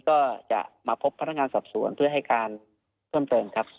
ก็จะมาพบพนักงานสอบสวนเพื่อให้การเพิ่มเติมครับ